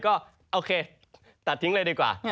ก็โอเคตัดทิ้งเลยดีกว่า